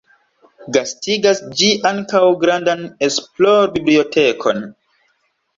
Gastigas ĝi ankaŭ grandan esplor-bibliotekon.